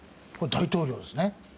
大統領ですね。